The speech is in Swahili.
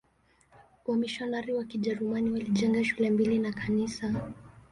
Wamisionari wa Kijerumani walijenga shule mbili na kanisa.